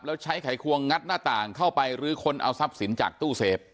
แล้วใช้ไขควงงัดหน้าต่างเข้าไปรื้อค้นเอาทรัพย์สินจากตู้เสพ